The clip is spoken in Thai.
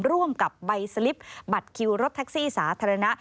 ร่วมกับใบสลิปบัตรคิวรถแท็กซี่สาธารณะ